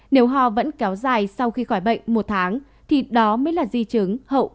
nếu ho vẫn kéo dài sau khi khỏi bệnh một tháng thì đó mới là di chứng hậu covid một mươi chín